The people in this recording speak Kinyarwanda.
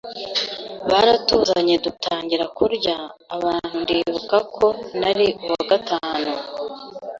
baratuzanye dutangira kurya abantu ndibuka ko nari uwa gatanu,